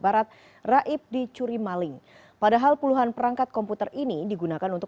barat raib di curimaling padahal puluhan perangkat komputer ini digunakan untuk